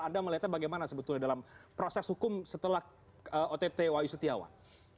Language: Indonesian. anda melihatnya bagaimana sebetulnya dalam proses hukum setelah ott wayu setiawan